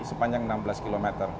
sepanjang enam belas kilometer